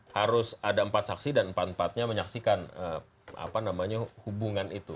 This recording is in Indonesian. harus ada empat saksi dan empat empatnya menyaksikan hubungan itu